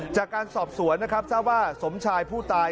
จากการสอบสวนนะครับทราบว่าสมชายผู้ตาย